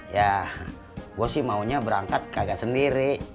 ya gue sih maunya berangkat kagak sendiri